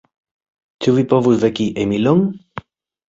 Ĉu vi povus veki Emilon?